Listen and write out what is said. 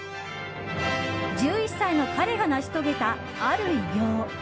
１１歳の彼が成し遂げたある偉業。